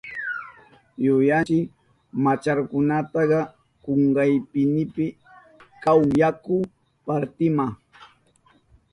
¡Yuyanki machakuyata kuchuykipimi kahun yaku partima!